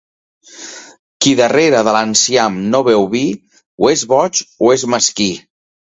Qui darrere de l'enciam no beu vi, o [és] boig o [és] mesquí.